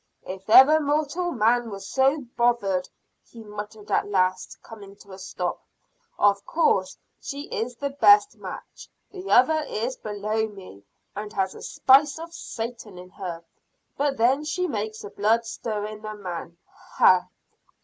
"If ever mortal man was so bothered," he muttered at last, coming to a stop. "Of course she is the best match, the other is below me, and has a spice of Satan in her; but then she makes the blood stir in a man. Ha!"